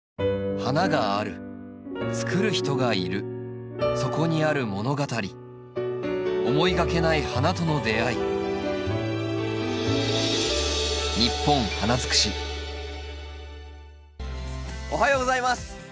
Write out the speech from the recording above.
花があるつくる人がいるそこにある物語思いがけない花との出会いおはようございます。